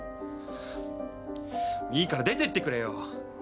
いいから出てってくれよ。